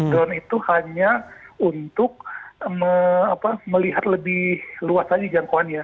drone itu hanya untuk melihat lebih luas lagi jangkauannya